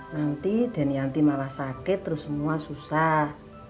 nanti den yanti malah sakit terus semua susah